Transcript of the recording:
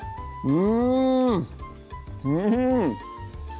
うん！